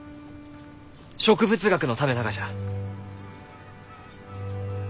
植物学のためながじゃ！